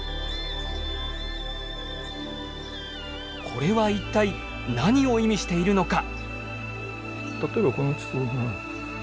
これは一体何を意味しているのか。